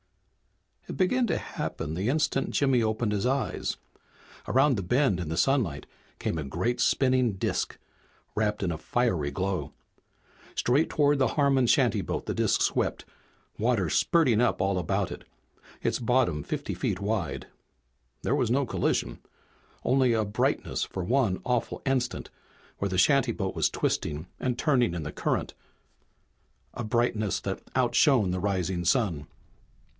It began to happen the instant Jimmy opened his eyes. Around the bend in the sunlight came a great spinning disk, wrapped in a fiery glow. Straight toward the Harmon shantyboat the disk swept, water spurting up all about it, its bottom fifty feet wide. There was no collision. Only a brightness for one awful instant where the shantyboat was twisting and turning in the current, a brightness that outshone the rising sun.